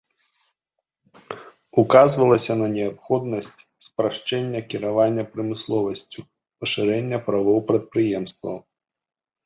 Указвалася на неабходнасць спрашчэння кіравання прамысловасцю, пашырэння правоў прадпрыемстваў.